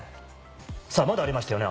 さぁまだありましたよね。